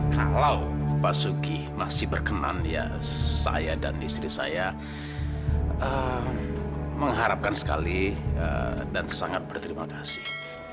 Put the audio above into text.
kalau pak sugi masih berkenan ya saya dan istri saya mengharapkan sekali dan sangat berterima kasih